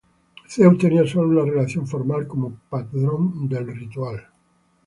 Zeus tenía sólo una relación formal como patrón del ritual.